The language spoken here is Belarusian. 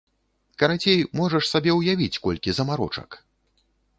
Карацей, можаш сабе ўявіць, колькі замарочак!